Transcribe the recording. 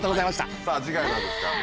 さぁ次回は何ですか？